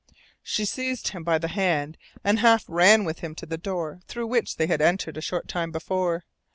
She seized him by the hand and half ran with him to the door through which they had entered a short time before.